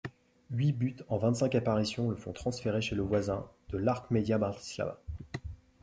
Huit buts en vingt-cinq apparitions le font transférer chez le voisin de l'Artmedia Bratislava.